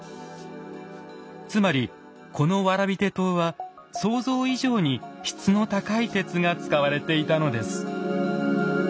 つまりこの蕨手刀は想像以上に質の高い鉄が使われていたのです。